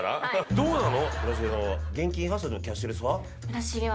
どうなの？